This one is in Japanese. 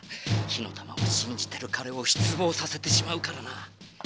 火の玉をしんじてるかれをしつぼうさせてしまうからな。